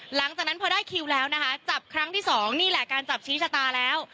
หลังจากนั้นพอได้คิวแล้วนะคะจับครั้งที่สองนี่แหละการจับชี้ชะตาแล้ว